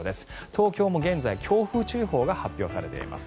東京も現在、強風注意報が発表されています。